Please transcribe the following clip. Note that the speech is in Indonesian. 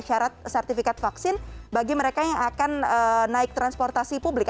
syarat sertifikat vaksin bagi mereka yang akan naik transportasi publik